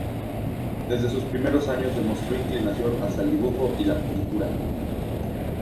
Desde sus primeros años demostró inclinación hacia el dibujo y la pintura.